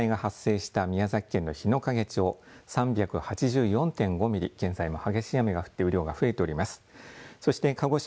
そして一時、線状降水帯が発生した宮崎県の日之影町３８４．５ミリ現在も激しい雨が降って量が増えています。